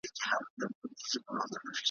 د آواز کیسې یې ولاړې تر ملکونو ,